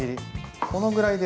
このぐらいで？